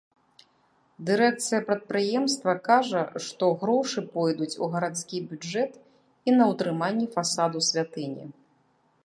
Дырэкцыя прадпрыемства кажа, што грошы пойдуць у гарадскі бюджэт і на ўтрыманне фасаду святыні.